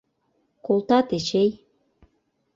Колтат, Эчей...